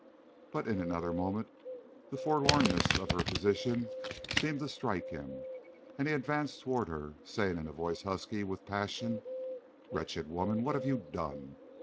But in another moment the forlornness of her position seemed to strike him, and he advanced toward her, saying in a voice husky with passion: "Wretched woman, what have you done?